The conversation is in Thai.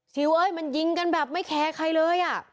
เอ้ยมันยิงกันแบบไม่แคร์ใครเลยอ่ะ